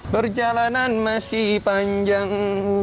perjalanan masih panjang